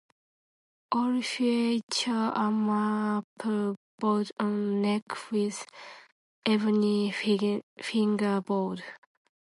All featured a maple bolt-on neck with ebony fingerboard.